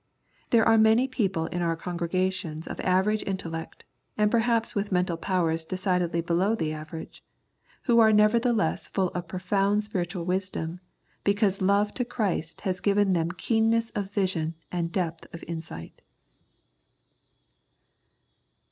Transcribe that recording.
There are many people in our congregations of average in tellect, and perhaps with mental powers decidedly below the average, who are nevertheless full of profound spiritual wisdom because love to Christ has given them keenness of vision and depth of insight.